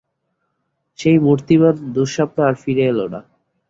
সেই মূর্তিমান দুঃস্বপ্ন আর ফিরে এল না।